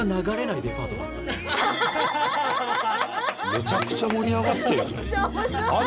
めちゃくちゃ盛り上がってるじゃん。